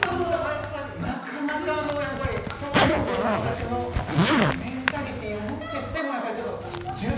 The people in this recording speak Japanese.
なかなかのやっぱり強心臓の私のメンタリティーをもってしてもやっぱりちょっと１０秒が限界でしたね。